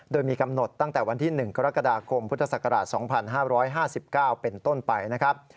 โดยมีกำหนดตั้งแต่วันที่๑กรกฎาคมพุทธศักราช๒๕๕๙เป็นต้นไปนะครับ